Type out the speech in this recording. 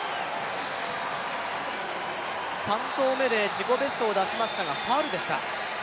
３投目で自己ベストを出しましたがファウルでした。